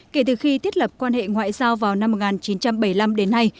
kể từ khi thiết lập quan hệ ngoại giao vào năm một nghìn chín trăm bảy mươi năm đến nay